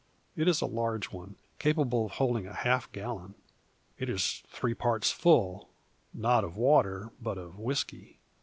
It is a large one, capable of holding a half gallon. It is three parts full, not of water, but of whisky.